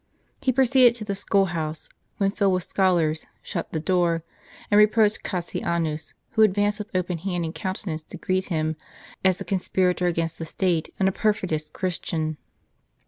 He proceeded to the school house when filled with scholars ; shut the doors, and reproached Cassianus, who advanced with open hand and countenance to greet him, as a conspirator against the state and a perfidious Christian.